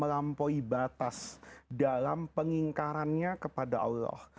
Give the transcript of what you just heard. melampaui batas dalam pengingkarannya kepada allah